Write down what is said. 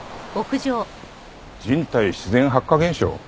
人体自然発火現象？